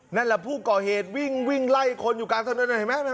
นั่นแหละผู้ก่อเหตุวิ่งวิ่งไล่คนอยู่กลางถนนเห็นไหม